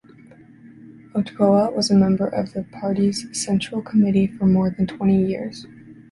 Ochoa was a member of the Party's Central Committee for more than twenty years.